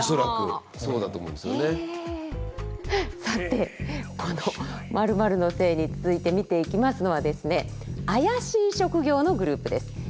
さてこの○○の精に続いて見ていきますのはですね怪しい職業のグループです。